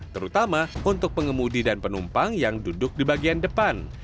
terutama untuk pengemudi dan penumpang yang duduk di bagian depan